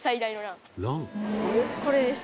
これです。